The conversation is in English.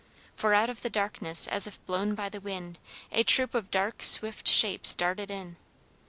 For out of the darkness, as if blown by the wind, a troop of dark swift shapes darted in.